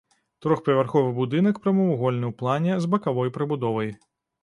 Трохпавярховы будынак прамавугольны ў плане, з бакавой прыбудовай.